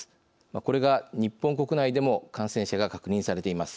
これが日本国内でも感染者が確認されています。